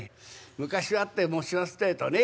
昔はって申しますてえとね